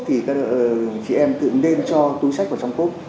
thì chị em tự nên cho túi sách vào trong cốt